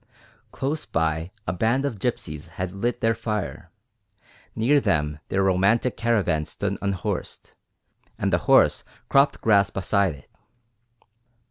Close by a band of gypsies had lit their fire, near them their romantic caravan stood unhorsed, and the horse cropped grass beside it.